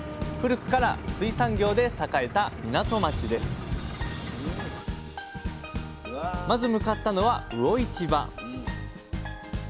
古くから水産業で栄えた港町ですまず向かったのは魚市場。